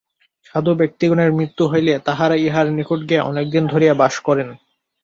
সাধু ব্যক্তিগণের মৃত্যু হইলে তাঁহারা ইঁহার নিকট গিয়া অনেক দিন ধরিয়া বাস করেন।